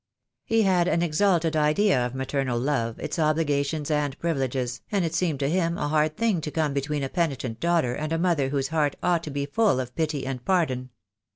He had an exalted idea of maternal love, its obliga tions and privileges, and it seemed to him a hard thing to come between a penitent daughter and a mother whose heart ought to be full of pity and pardon.